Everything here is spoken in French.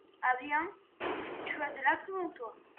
Ah bien, tu as de l’aplomb, toi !